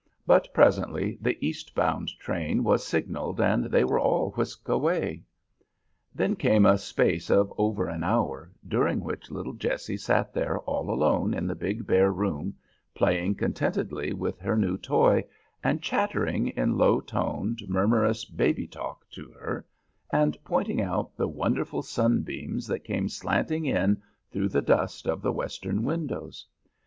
But presently the east bound train was signalled and they were all whisked away. Then came a space of over an hour, during which little Jessie sat there all alone in the big, bare room, playing contentedly with her new toy and chattering in low toned, murmurous "baby talk" to her, and pointing out the wonderful sunbeams that came slanting in through the dust of the western windows.